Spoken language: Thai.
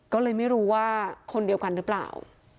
ก็เลยไม่รู้ว่าคนเดียวกันหรือเปล่า